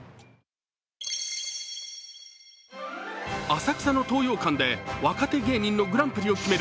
浅草の東洋館で若手芸人のグランプリを決める